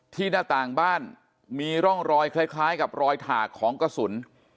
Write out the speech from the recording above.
หน้าต่างบ้านมีร่องรอยคล้ายกับรอยถากของกระสุน